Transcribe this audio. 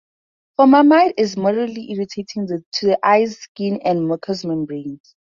Formamide is moderately irritating to the eyes, skin and mucous membranes.